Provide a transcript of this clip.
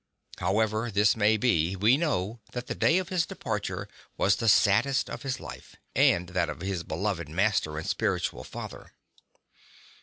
However this may be, we know that the day of his departure was the saddest of his life, and of that of his beloved master and spiritual father.